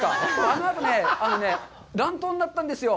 あのあとね、乱闘になったんですよ。